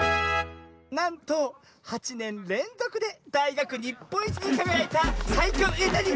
なんと８ねんれんぞくでだいがくにっぽんいちにかがやいたさいきょうなに？